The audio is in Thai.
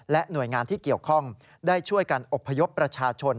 หน่วยงานที่เกี่ยวข้องได้ช่วยกันอบพยพประชาชน